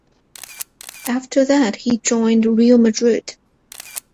After that, he joined Real Madrid.